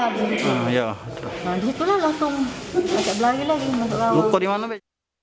lalu langsung ajak berlari lagi masuk rawa rawa